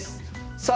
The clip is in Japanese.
さあ